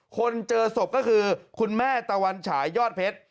คนเจอศพก็คือคุณแม่ตะวันฉายยอดเพชร